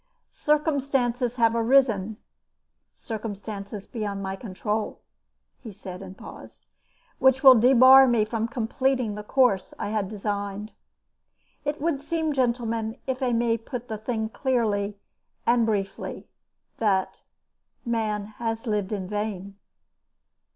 "Circumstances have arisen circumstances beyond my control," he said and paused, "which will debar me from completing the course I had designed. It would seem, gentlemen, if I may put the thing clearly and briefly, that Man has lived in vain."